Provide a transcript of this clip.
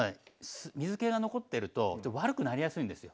水けが残ってると悪くなりやすいんですよ。